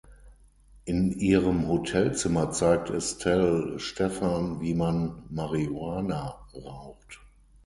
In ihrem Hotelzimmer zeigt Estelle Stefan, wie man Marihuana raucht.